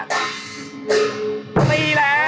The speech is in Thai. ตีแล้ว